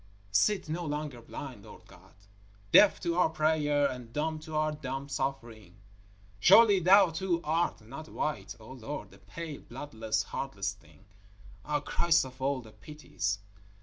_ Sit no longer blind, Lord God, deaf to our prayer and dumb to our dumb suffering. Surely Thou too art not white, O Lord, a pale, bloodless, heartless thing? _Ah! Christ of all the Pities!